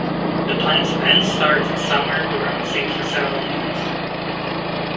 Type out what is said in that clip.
The plants then starts its summer dormancy for several months.